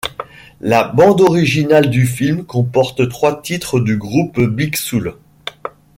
La bande originale du film comporte trois titres du groupe Big Soul.